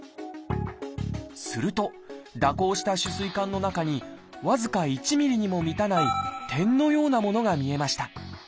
すると蛇行した主膵管の中に僅か１ｍｍにも満たない点のようなものが見えました。